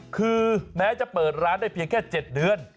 คือแม้จะเปิดร้านได้เพียงแค่๗เดือน